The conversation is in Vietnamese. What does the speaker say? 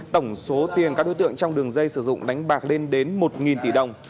tổng số tiền các đối tượng trong đường dây sử dụng đánh bạc lên đến một tỷ đồng